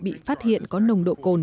bị phát hiện có nồng độ cồn